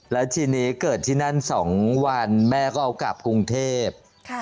แล้วทีนี้เกิดที่นั่น๒วันแม่ก็เอากลับกรุงเทพ